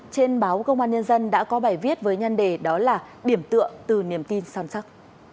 trên báo công an nhân dân đã có bài viết với nhân đề đó là điểm tựa từ niềm tin son sắc